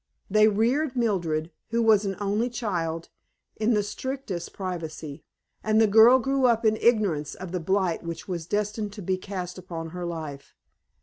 They reared Mildred, who was an only child, in the strictest privacy, and the girl grew up in ignorance of the blight which was destined to be cast upon her life.